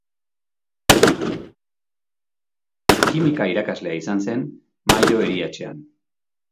Kimika irakaslea izan zen Mayo Erietxean.